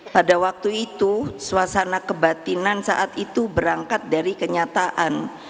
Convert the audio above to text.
pada waktu itu suasana kebatinan saat itu berangkat dari kenyataan